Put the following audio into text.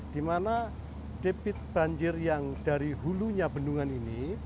di mana debit banjir yang dari hulunya bendungan ini